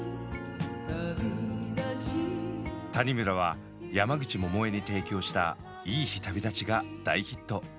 谷村は山口百恵に提供した「いい日旅立ち」が大ヒット。